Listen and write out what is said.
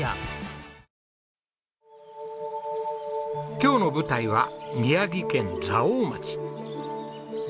今日の舞台は宮城県蔵王町。